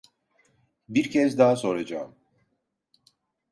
Bir kez daha soracağım.